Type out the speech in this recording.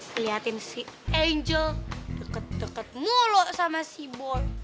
liatin si angel deket deket mulu sama si boy